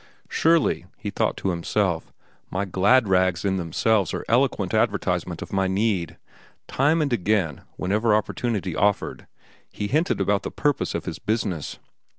Surely, he thought to himself, my glad rags in themselves are eloquent advertisement of my need. Time and again, whenever opportunity offered, he hinted about the purpose of his business.